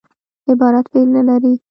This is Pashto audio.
عبارت فعل نه لري.